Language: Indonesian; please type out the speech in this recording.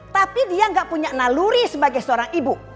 tapi dia nggak punya naluri sebagai seorang ibu